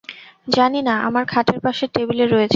জানি না, আমরা খাটের পাশের টেবিলে রয়েছে।